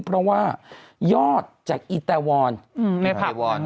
เพราะว่ายอดจากอิตาวอน